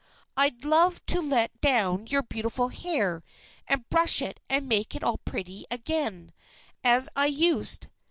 I'd love to let down your beautiful hair and brush it and make it all pretty again, as I used.